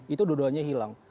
itu dua duanya hilang